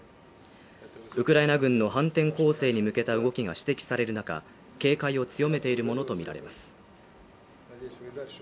ウクライナ軍の反転攻勢に向けた動きが指摘される中、警戒を強めているものとみられます。